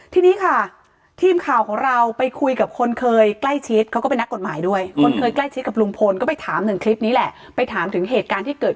ทีนี้ค่ะทีมข่าวของเราไปคุยกับคนเคยใกล้ชิด